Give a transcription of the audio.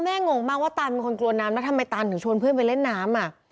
งงมากว่าตานเป็นคนกลัวน้ำแล้วทำไมตันถึงชวนเพื่อนไปเล่นน้ำอ่ะ